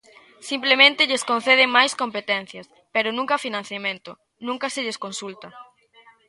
Simplemente lles conceden máis competencias, pero nunca financiamento, nunca se lles consulta.